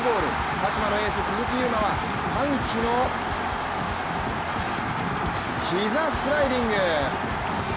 鹿島のエース・鈴木優磨は歓喜の膝スライディング！